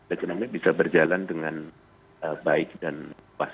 ekonomi bisa berjalan dengan baik dan pas